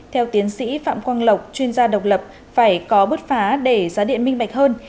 theo tiến sĩ phạm quang lộc chuyên gia độc lập phải có bứt phá để giá điện minh bạch hơn